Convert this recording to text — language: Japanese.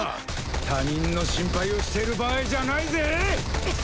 他人の心配をしている場合じゃないぜ！